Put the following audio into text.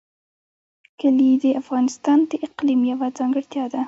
کلي د افغانستان د اقلیم یوه ځانګړتیا ده.